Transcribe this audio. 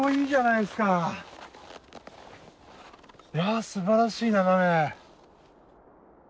いやすばらしい眺め。